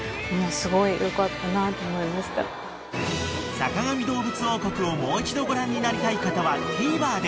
［『坂上どうぶつ王国』をもう一度ご覧になりたい方はＴＶｅｒで］